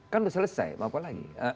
kan sudah selesai mau apa lagi